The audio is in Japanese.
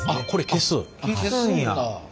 消すんだ。